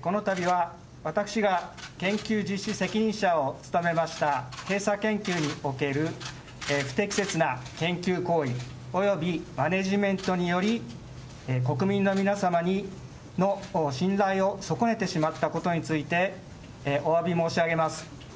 このたびは、私が研究実施責任者を務めました、検査研究における不適切な研究行為、およびマネジメントにより、国民の皆様の信頼を損ねてしまったことについておわび申し上げます。